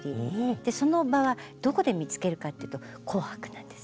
その場はどこで見つけるかっていうと「紅白」なんです。